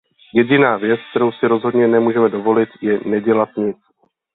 Jediná věc, kterou si rozhodně nemůžeme dovolit, je nedělat nic.